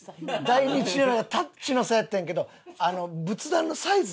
大日如来がタッチの差やったんやけど仏壇のサイズ